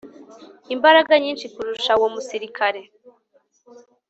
imbaraga nyinshi kurusha uwo musirikare